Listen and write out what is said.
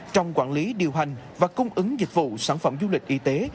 trong quản lý điều hành và cung ứng dịch vụ sản phẩm du lịch y tế